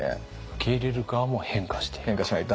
受け入れる側も変化していく。